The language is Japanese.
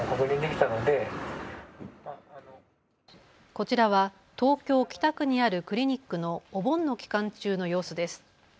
こちらは東京北区にあるクリニックのお盆の期間中の様子です。